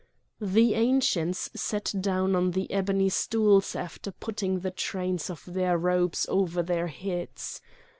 The Ancients sat down on the ebony stools after putting the trains of their robes over their heads.